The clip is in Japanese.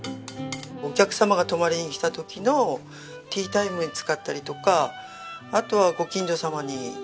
お客様が泊まりに来た時のティータイムに使ったりとかあとはご近所様に。